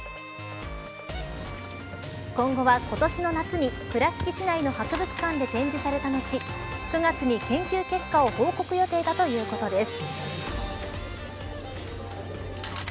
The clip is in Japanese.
今後は、今年の夏に倉敷市内の博物館で展示された後９月に研究結果を報告予定だということです。